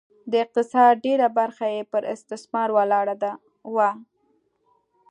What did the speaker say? د اقتصاد ډېره برخه یې پر استثمار ولاړه وه